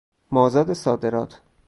مازاد صادرات